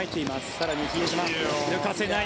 更に比江島抜かせない。